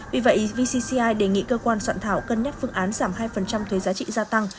vì vậy vcci đề nghị cơ quan soạn thảo cân nhắc phương án giảm hai thuế giá trị gia tăng